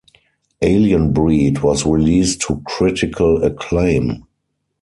"Alien Breed" was released to critical acclaim.